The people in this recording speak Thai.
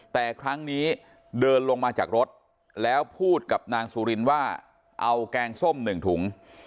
แต่ครั้งนี้เดินลงมาจากรถแล้วพูดกับนางสุรินว่าเอาแกงส้ม๑ถุง